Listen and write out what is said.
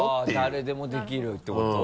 誰でもできるってこと？